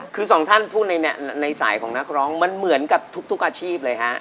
คือสองท่านพูดในสายของนักร้องมันเหมือนกับทุกอาชีพเลยฮะ